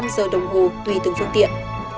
hai năm giờ đồng hồ tùy từng phương tiện